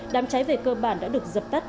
đám cháy về cơ bản đã được dập tắt